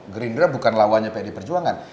gerindra bukan lawannya pd perjuangan